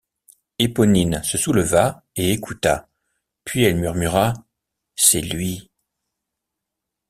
Éponine se souleva, et écouta, puis elle murmura: — C’est lui.